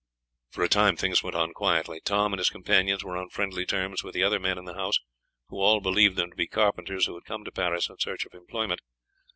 For a time things went on quietly. Tom and his companions were on friendly terms with the other men in the house, who all believed them to be carpenters who had come to Paris in search of employment.